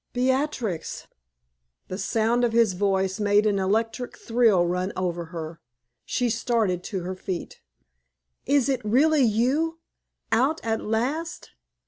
"Beatrix!" The sound of his voice made an electric thrill run over her. She started to her feet. "Is it really you out at last?"